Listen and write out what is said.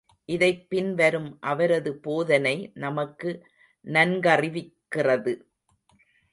இதைப் பின் வரும் அவரது போதனை நமக்கு நன்கறிவிக்கிறது.